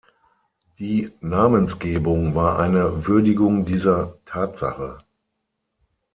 Die Namensgebung war eine Würdigung dieser Tatsache.